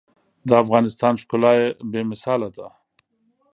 د افغانستان ښکلا بې مثاله ده.